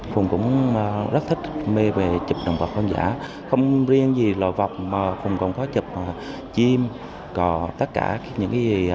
phùng cũng rất thích mê về chụp động vật khán giả không riêng gì lò vọc mà phùng còn có chụp chim cò tất cả những cái gì về động vật